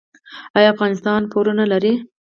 آیا افغانستان پورونه لري؟